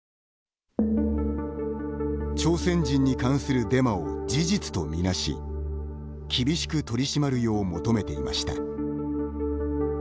朝鮮人に関するデマを事実と見なし厳しく取り締まるよう求めていました。